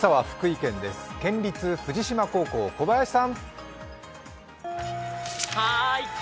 県立藤島高校、小林さん。